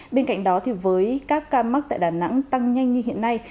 bên cạnh đó với các ca mắc tại đà nẵng tăng nhanh như hiện nay